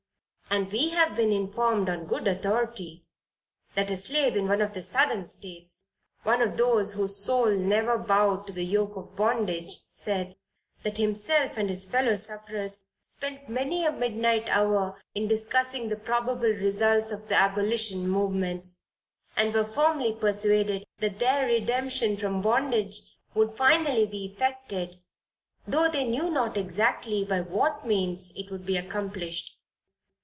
And we have been informed on good authority, that a slave in one of the Southern states, one of those whose soul never bowed to the yoke of bondage, said, that himself and his fellow sufferers spent many a midnight hour in discussing the probable results of the abolition movements, and were firmly persuaded that their redemption from bondage would finally be effected, though they knew not exactly by what means it would be accomplished.